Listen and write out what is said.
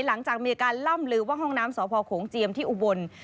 หลังจากมีอาการล่ำลือว่าห้องน้ำสพโขงเจียมที่อุบล